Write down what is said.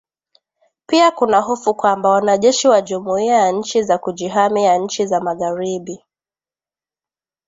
Pia kuna hofu kwamba wanajeshi wa jumuia ya nchi za kujihami ya nchi za Magharibi